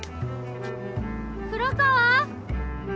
黒川！